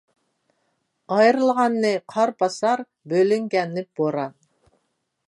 ئايرىلغاننى قار باسار، بۆلۈنگەننى بوران.